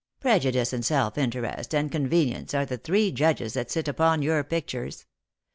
" Prejudice and self interest and conveni ence are the three judges that sit upon your pictures.